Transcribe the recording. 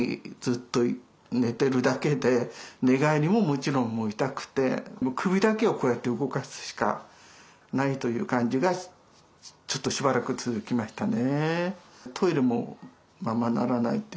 ところが痛みは日に日に増し首だけをこうやって動かすしかないという感じがちょっとしばらく続きましたね。